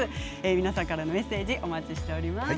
皆さんからのメッセージお待ちしています。